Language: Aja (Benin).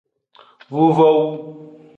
Vuvowu.